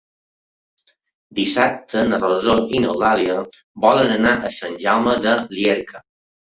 Dissabte na Rosó i n'Eulàlia volen anar a Sant Jaume de Llierca.